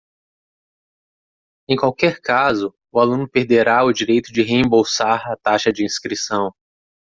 Em qualquer caso, o aluno perderá o direito de reembolsar a taxa de inscrição.